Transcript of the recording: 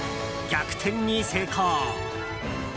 逆転に成功。